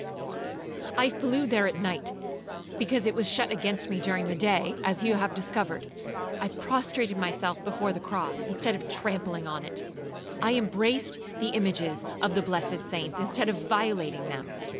I flew there at night, because it was shut against me during the day, as you have discovered! I prostrated myself before the cross, instead of trampling on it! I embraced the images of the blessed saints, instead of violating them!